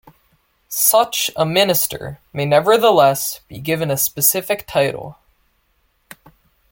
Such a minister may nevertheless be given a specific title.